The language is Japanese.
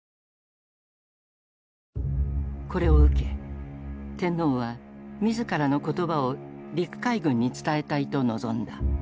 これを受け天皇は自らの言葉を陸海軍に伝えたいと望んだ。